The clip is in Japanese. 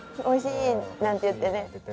「おいしい」なんて言ってね